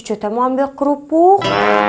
cucu mau ambil kerupuk